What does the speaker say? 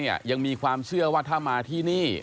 ยังมีความเชื่อว่าถ้ามาที่นี่